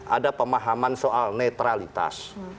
ada pemahaman soal netralitas